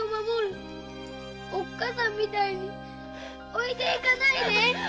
おっかさんみたいに置いていかないで！